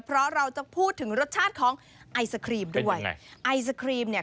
เพราะเราจะพูดถึงรสชาติของไอศครีมด้วยใช่ไอศครีมเนี่ย